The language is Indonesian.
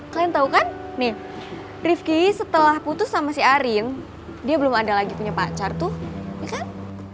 kalian tahu kan nih rifki setelah putus sama si arin dia belum ada lagi punya pacar tuh ya kan